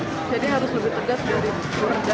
jadi harus lebih tegas dari